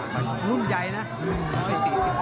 มันรุ่นใหญ่นะ